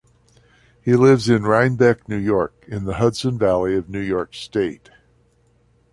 He lives in Rhinebeck, New York, in the Hudson Valley of New York State.